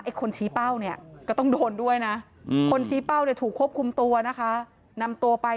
ไอ้คนชี้เป้าเนี่ยก็ต้องโดนด้วยนะ